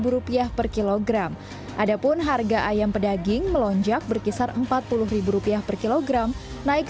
rupiah per kilogram adapun harga ayam pedaging melonjak berkisar empat puluh rupiah per kilogram naik